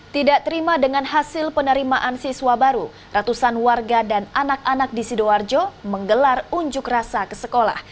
tidak terima dengan hasil penerimaan siswa baru ratusan warga dan anak anak di sidoarjo menggelar unjuk rasa ke sekolah